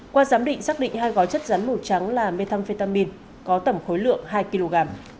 qua giám định xác định hai gói chất rắn màu trắng là methamphetamine có tầm khối lượng hai kg